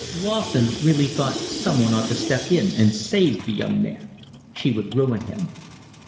Lawson really thought someone ought to step in and save the young man. She would ruin him.